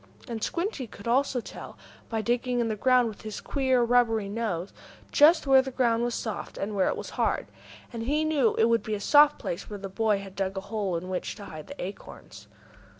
And Squinty could also tell, by digging in the ground with his queer, rubbery nose, just where the ground was soft and where it was hard. And he knew it would be soft at the place where the boy had dug a hole in which to hide the acorns.